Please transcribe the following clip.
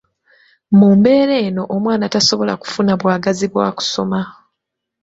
Mu mbeera eno, omwana tasobola kufuna bwagazi bwa kusoma.